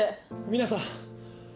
皆さん。